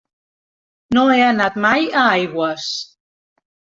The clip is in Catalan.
No he anat mai a Aigües.